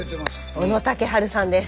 小野竹春さんです。